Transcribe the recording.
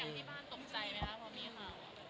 อย่างที่บ้านตกใจไหมคะพร้อมนี้ค่ะ